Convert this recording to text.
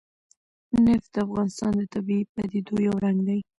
نفت د افغانستان د طبیعي پدیدو یو رنګ دی.